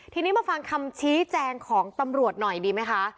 ทีนี้มาฟังคำชี้แจงของตำรวจหน่อยดีไหมคะ